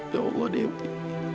ya allah dewi